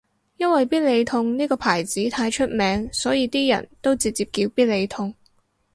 因為必理痛呢個牌子太出名所以啲人都直接叫必理痛